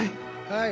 はい。